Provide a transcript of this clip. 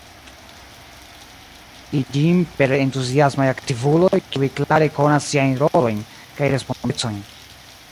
Li esperas plenigi ĝin per entuziasmaj aktivuloj, kiuj klare konas siajn rolojn kaj respondecojn.